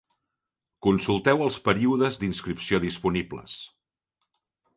Consulteu els períodes d'inscripció disponibles.